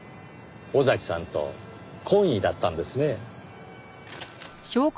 尾崎さんと懇意だったんですね。